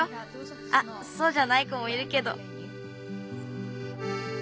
あっそうじゃない子もいるけど。